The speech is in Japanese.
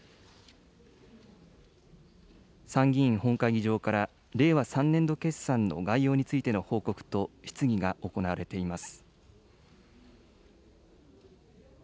参議院本会議場から、令和３年度決算の概要についての報告と質疑が行われています。